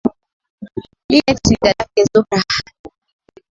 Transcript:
Linet ni dadake Zuhra.